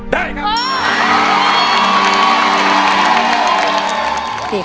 ได้ครับ